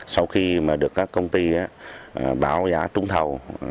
sau khi mà được các công ty báo giá trúng thầu